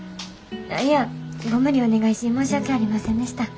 いやご無理お願いし申し訳ありませんでした。